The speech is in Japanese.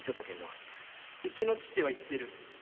うちの父は言ってる。